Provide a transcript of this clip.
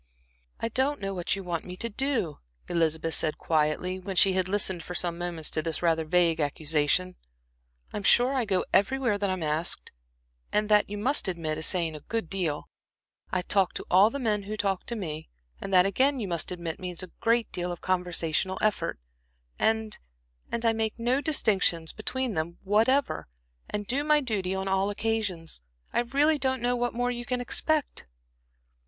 "I don't know what you want me to do," Elizabeth said, quietly, when she had listened for some moments to this rather vague accusation. "I'm sure I go everywhere that I'm asked, and that, you must admit, is saying a good deal; I talk to all the men who talk to me, and that again you must admit, means a great deal of conversational effort; and and I make no distinctions between them whatever, and do my duty on all occasions. I really don't know what more you can expect."